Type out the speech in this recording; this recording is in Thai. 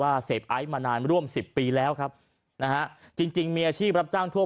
ว่าเสพไอ้มานานร่วม๑๐ปีแล้วครับจริงมีอาชีพรับจ้างทั่ว